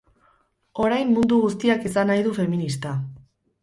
Orain mundu guztiak izan nahi du feminista